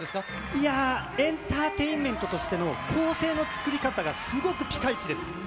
いやー、エンターテインメントとしての構成の作り方が、すごくぴかいちです。